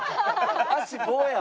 足棒や！